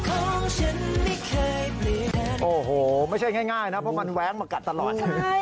โอ้หโหไม่ใช่ง่ายนะเพราะมันแว้งมากัดตลอด